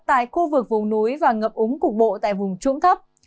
tại khu vực vùng núi và ngập úng cục bộ tại vùng trũng thấp